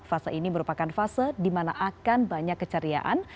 fase ini merupakan fase di mana akan banyak keceriaan